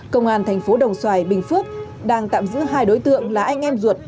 công an tp đồng xoài bình phước đang tạm giữ hai đối tượng là anh em ruột